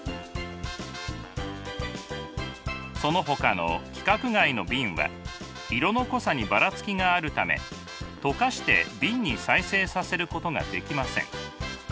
そのほかの規格外の瓶は色の濃さにばらつきがあるため溶かして瓶に再生させることができません。